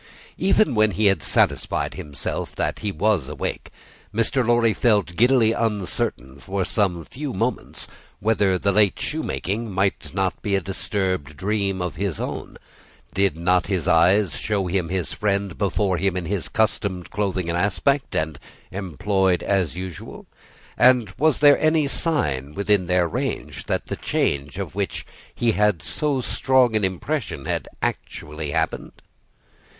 Even when he had satisfied himself that he was awake, Mr. Lorry felt giddily uncertain for some few moments whether the late shoemaking might not be a disturbed dream of his own; for, did not his eyes show him his friend before him in his accustomed clothing and aspect, and employed as usual; and was there any sign within their range, that the change of which he had so strong an impression had actually happened?